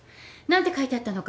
何て書いてあったの？